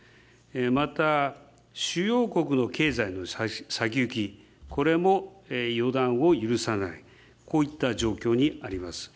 また、主要国の経済の先行き、これも予断を許さない、こういった状況にあります。